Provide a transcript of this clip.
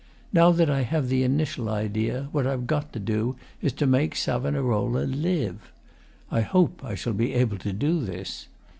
Now that I have the initial idea, what I've got to do is to make Savonarola LIVE. I hope I shall be able to do this.